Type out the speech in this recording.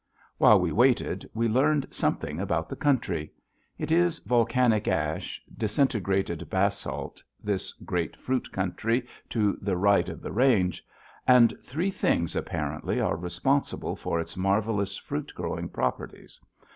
While we waited, we learned something about the country. It is volcanic ash, disintegrated basalt, this great fruit country to the right of the range. And three things, apparently, are responsible for its marvelous fruit growing properties.